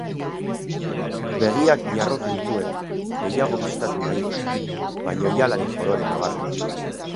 Begiak ñarrotu nituen, gehiago bistatu nahirik, baina oihalaren kolore nabarrek.